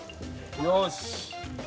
よし。